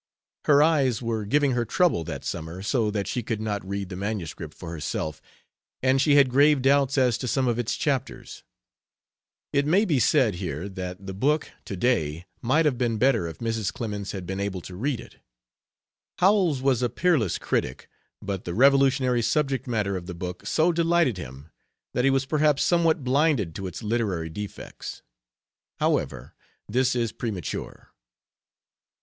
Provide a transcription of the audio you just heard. Her eyes were giving her trouble that summer, so that she could not read the MS. for herself, and she had grave doubts as to some of its chapters. It may be said here that the book to day might have been better if Mrs. Clemens had been able to read it. Howells was a peerless critic, but the revolutionary subject matter of the book so delighted him that he was perhaps somewhat blinded to its literary defects. However, this is premature.